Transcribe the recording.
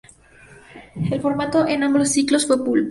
El formato en ambos ciclos fue "pulp".